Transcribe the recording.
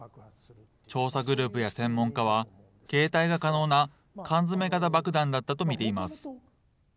調査グループや専門家は、携帯が可能な缶詰型爆弾だったと見ています。